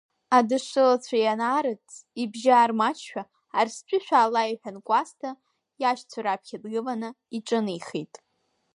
Адышшылацәа ианаарыдҵ, ибжьы аармаҷшәа Арстәи шәаала иҳәан Кәасҭа иашьцәа раԥхьа дгыланы иҿынеихеит.